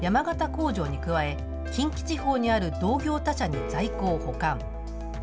工場に加え、近畿地方にある同業他社に在庫を保管。